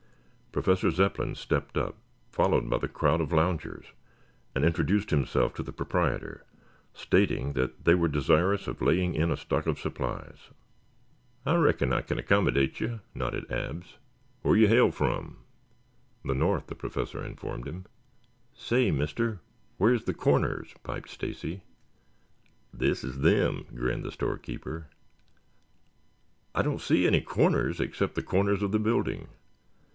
Professor Zepplin stepped up, followed by the crowd of loungers, and introduced himself to the proprietor, stating that they were desirous of laying in a stock of supplies. "I reckon I kin accommodate ye," nodded Abs. "Where ye hail from?" "The north," the Professor informed him. "Say, Mister, where's the Corners?" piped Stacy. "This is them," grinned the storekeeper. "I don't see any corners except the corners of the building."